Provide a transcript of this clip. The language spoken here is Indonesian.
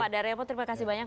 pak daryapo terima kasih banyak